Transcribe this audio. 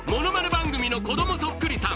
番組の子供そっくりさん